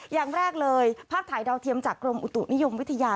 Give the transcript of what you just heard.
อย่างแรกเลยภาพถ่ายดาวเทียมจากกรมอุตุนิยมวิทยา